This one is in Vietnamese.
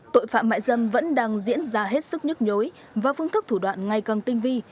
tội phạm mại dâm vẫn đang diễn ra hết sức nhức nhối và phương thức thủ đoạn ngày càng tinh vi